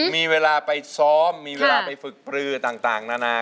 มีเวลาไปซ้อมมีเวลาไปฝึกปลือต่างนานา